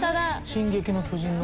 『進撃の巨人』の。